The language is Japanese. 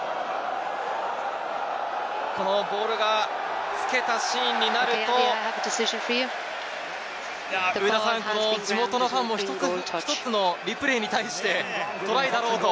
ボールをつけたシーンになると、上田さん、地元のファンも一つ一つのリプレイに対してトライだろうと？